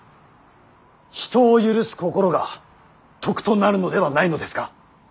人を許す心が徳となるのではないのですか。